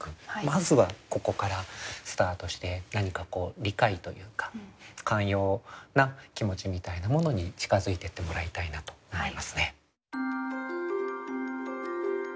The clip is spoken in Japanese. まずはここからスタートして何かこう理解というか寛容な気持ちみたいなものに近づいていってもらいたいなと思いますね。